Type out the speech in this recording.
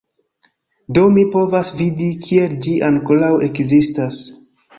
Do, mi povas vidi kiel ĝi ankoraŭ ekzistas